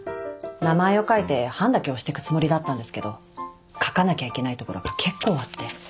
名前を書いて判だけ押してくつもりだったんですけど書かなきゃいけない所が結構あって。